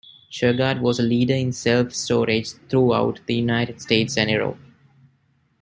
Shurgard was a leader in self-storage throughout the United States and Europe.